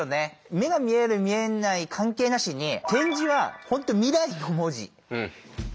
目が見える見えない関係なしに点字は本当未来の文字だと思いますわ。